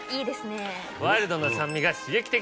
ワイルドな酸味が刺激的。